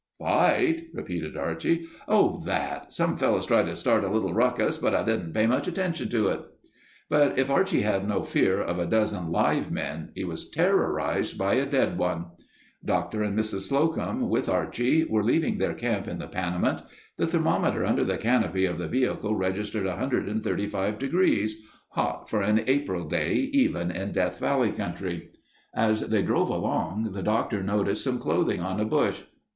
"Fight?" repeated Archie. "Oh, that—some fellows tried to start a little ruckus but I didn't pay much attention to it." But if Archie had no fear of a dozen live men, he was terrorized by a dead one. Doctor and Mrs. Slocum, with Archie, were leaving their camp in the Panamint. The thermometer under the canopy of the vehicle registered 135 degrees—hot for an April day, even in Death Valley country. As they drove along, the Doctor noticed some clothing on a bush.